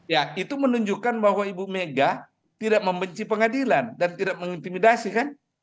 ya itu menunjukkan bahwa ibu mega tidak membenci pengadilan dan tidak mengintimidasi kan